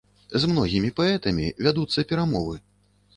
З многімі паэтамі вядуцца перамовы.